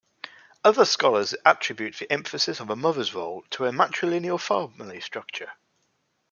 Other scholars attribute the emphasis on the mother's role to a matrilineal family structure.